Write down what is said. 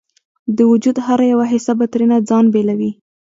د وجود هره یوه حصه به ترېنه ځان بیلوي